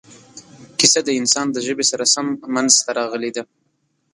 کیسه د انسان د ژبې سره سم منځته راغلې ده.